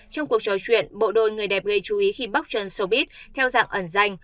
trong cuộc trò chuyện bộ đôi người đẹp gây chú ý khi bóc chân showbiz theo dạng ẩn danh